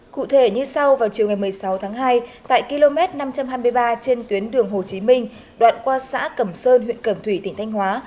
cụ thể như sau vào chiều ngày một mươi sáu tháng hai tại km năm trăm hai mươi ba trên tuyến đường hồ chí minh đoạn qua xã cẩm sơn huyện cẩm thủy tỉnh thanh hóa